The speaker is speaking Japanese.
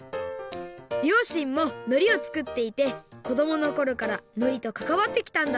りょうしんものりをつくっていてこどものころからのりとかかわってきたんだって！